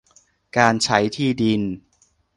การใช้ที่ดิน